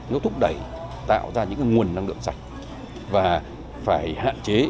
nó thúc đẩy tạo ra những nguồn năng lượng sạch và phải hạn chế